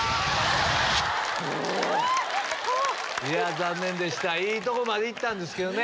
残念でしたいいとこまで行ったんですけどね。